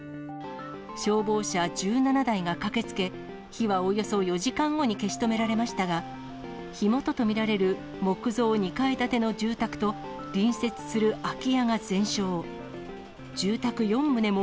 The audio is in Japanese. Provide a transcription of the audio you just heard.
消防車１７台が駆けつけ、火はおよそ４時間後に消し止められましたが、火元と見られる木造２階建ての住宅と、隣接する空き家が全焼。